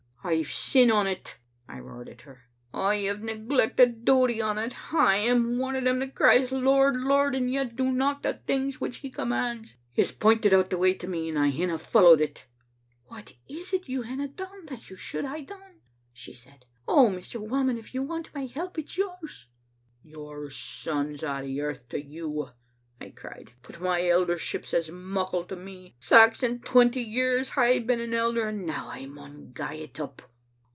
* "*rve sin on it,' I roared at her. *I have neglect o' duty on it. I am one o* them that cries " Lord, Lord," and yet do not the things which He commands. He has pointed out the way to me, and I hinna followed it. * "*What is it you hinna done that you should hae done?* she said. *Oh, Mr. Whamond, if you want my help, it's yours. * "*Your son's a* the earth to you,* I cried, *but my eldership's as muckle to me. Sax and twenty years hae I been an elder, and now I maun gie it up.